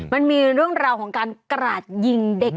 มันมีเรื่องราวของการกราดยิงเด็ก